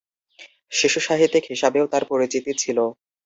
শিশুসাহিত্যিক হিসাবেও তাঁর পরিচিতি ছিল।